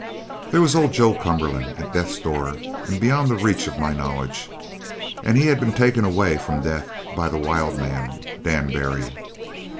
"There was old Joe Cumberland, at death's door and beyond the reach of my knowledge; and he had been taken away from death by the wild man, Dan Barry.